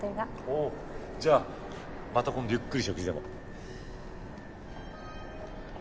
じゃあまた今度ゆっくり食事でも。